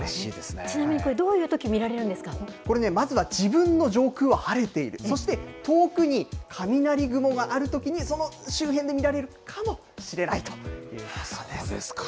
ちなみに、これ、どういうとこれね、まずは自分の上空は晴れている、そして、遠くに雷雲があるときに、その周辺で見られそうですか。